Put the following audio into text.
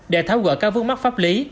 để tháo gỡ các vương mắc pháp lý